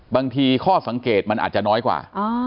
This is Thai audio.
ข้อสังเกตมันอาจจะน้อยกว่า